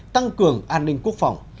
tăng cường an ninh quốc phòng